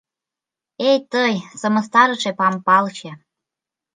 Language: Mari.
Эй, тый, сымыстарыше пампалче!